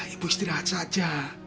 ibu istirahat saja